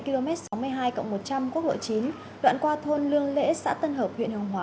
hôm qua tại km sáu mươi hai cộng một trăm linh quốc lộ chín đoạn qua thôn lương lễ xã tân hợp huyện hồng hóa